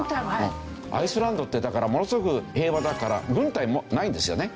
アイスランドってだからものすごく平和だから軍隊もないんですよね。